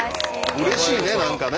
うれしいね何かね。